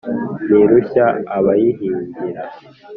Ntirushya abayihingira,